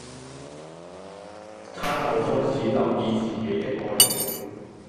她就開始留意自己的外表